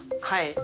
はい。